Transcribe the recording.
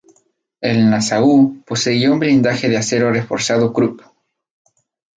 El "Nassau" poseía un blindaje de acero reforzado Krupp.